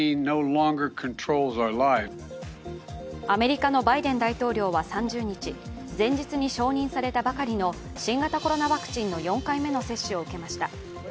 アメリカのバイデン大統領は３０日、前日に承認されたばかりの新型コロナワクチンの４回目の接種を受けました。